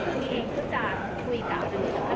ไม่ได้สบายไม่ได้สบาย